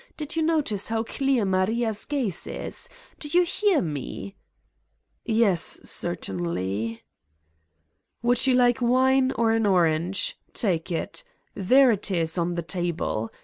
. did you notice how clear Maria's gaze is? Do you hear me?" "Yes, certainly." 66 Would you like wine or an orange? Take it. There it is on the table.